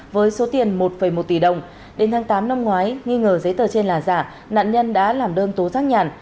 với số tiền một một tỷ đồng đến tháng tám năm ngoái nghi ngờ giấy tờ trên là giả nạn nhân đã làm đơn tố giác nhàn